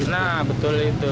nah betul itu